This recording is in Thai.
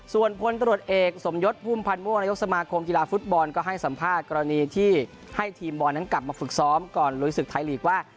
ส่วนพลตรวจเอกสมยศพุ่มพันธ์มั่วนายกสมาคมกีฬาฟุตบอลก็ให้สัมภาษณ์กรณีที่ให้ทีมบอลนั้นกลับมาฝึกซ้อมก่อนลุยศึกไทยลีกว่า